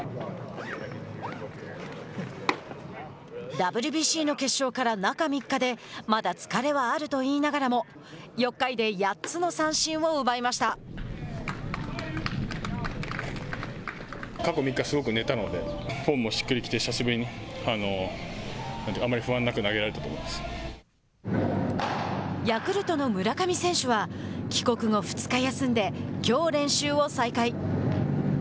ＷＢＣの決勝から中３日でまだ疲れはあると言いながらもヤクルトの村上選手は帰国後２日休んできょう練習を再開。